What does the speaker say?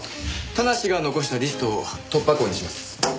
田無が残したリストを突破口にします。